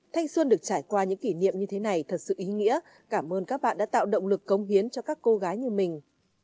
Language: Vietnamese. thanh xuân được trải qua những kỷ niệm như thế này thật sự ý nghĩa cảm ơn các bạn đã tạo động lực cống hiến cho các cô gái như mình